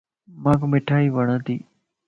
مانک مٺائي وڙتي